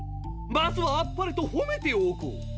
まずはあっぱれとほめておこう。